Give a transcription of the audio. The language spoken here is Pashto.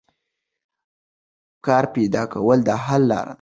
کار پیدا کول د حل لار ده.